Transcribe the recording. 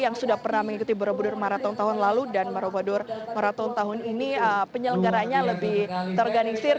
yang sudah pernah mengikuti bgpm tahun lalu dan bgpm tahun ini penyelenggaranya lebih terorganisir